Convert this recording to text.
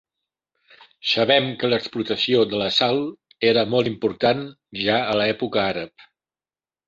Sabem que l'explotació de la sal era molt important, ja, a l'època àrab.